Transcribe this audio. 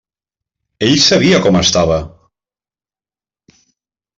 Ell sabia com estava!